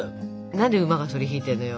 何で馬がそり引いてるのよ。